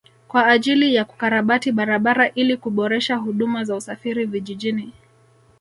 Kwa ajili ya kukarabati barabara ili kuboresha huduma za usafiri vijijini